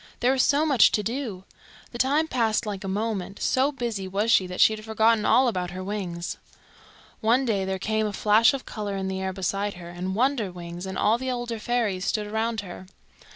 There was so much to do! The time passed like a moment. So busy was she that she had forgotten all about her wings. One day there came a flash of colour in the air beside her, and Wonderwings and all the older fairies stood around her.